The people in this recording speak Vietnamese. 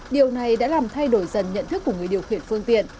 điều này đã làm thay đổi dần nhận thức của người điều khiển phương tiện